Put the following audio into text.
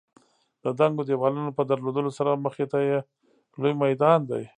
د دنګو دېوالونو په درلودلو سره مخې ته یې لوی میدان دی.